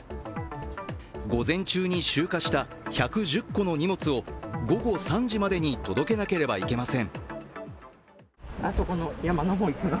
午前中に集荷した１１０個の荷物を午後３時までに届けなければなりません。